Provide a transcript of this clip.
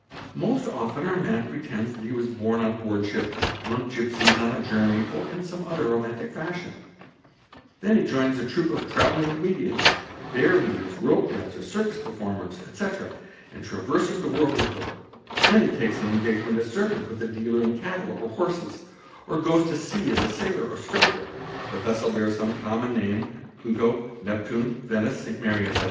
Most often our man pretend: that he was born on boardship, among gipsies, on a journey, or in some other romantic fashion; then he joins a troup of travelling comedians bearleaders, rope dancers, circus performers, etc., and traverses the worl with them ; then he takes an engagement as servant with a dealer 11 cattle or horses, or goes to sea as a sailor or stoker, the vessel bear some common name (Pluto, Neptune, Venice, St. Mary, ete.